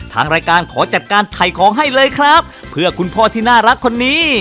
ทางรายการขอจัดการถ่ายของให้เลยครับเพื่อคุณพ่อที่น่ารักคนนี้